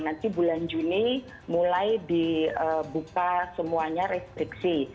nanti bulan juni mulai dibuka semuanya restriksi